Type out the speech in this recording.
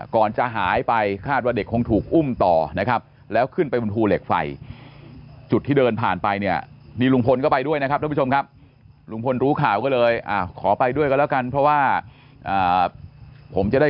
ก่อนจะหายไปคาดว่าเด็กคงถูกอุ้มต่อนะครับแล้วขึ้นไปถูเหล็กไฟ